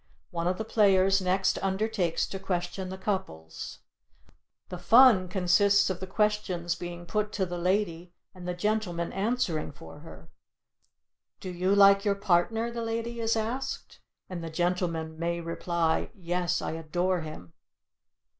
One of the players next undertakes to question the couples. The fun consists of the questions being put to the lady and the gentleman answering for her. "Do you like your partner?" the lady is asked, and the gentleman may reply, "Yes, I adore him."